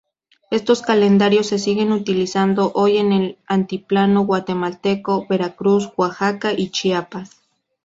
Estos calendarios se siguen utilizando hoy en el altiplano guatemalteco, Veracruz, Oaxaca y Chiapas.